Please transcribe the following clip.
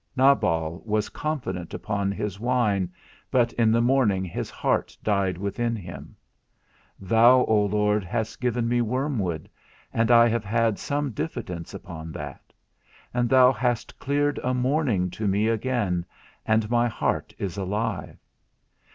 Nabal was confident upon his wine, but in the morning his heart died within him. Thou, O Lord, hast given me wormwood, and I have had some diffidence upon that; and thou hast cleared a morning to me again, and my heart is alive.